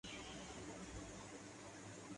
وہ اب اس کے لیے سب کچھ کر گزرنے کے لیے تیار ہیں۔